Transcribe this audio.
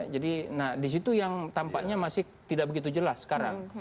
jadi nah di situ yang tampaknya masih tidak begitu jelas sekarang